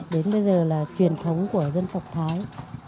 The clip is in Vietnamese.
đến bây giờ là truyền thống của dân tộc thái